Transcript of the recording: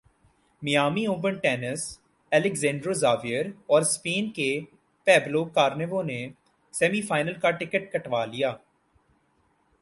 Miami Open tennis Alexander Zverev اورسپین کے Pablo Carreño نے سیمی فائنل کا ٹکٹ کٹوا لیا